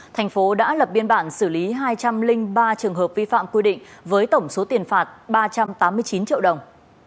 thành phố đã lập biên bản xử lý hai trăm linh ba trường hợp vi phạm quy định với tổng số tiền phạt ba trăm tám mươi chín triệu đồng